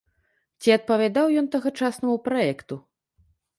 Ці адпавядаў ён тагачаснаму праекту?